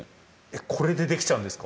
これでできちゃうんですか？